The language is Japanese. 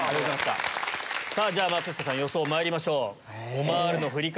じゃ松下さん予想まいりましょう。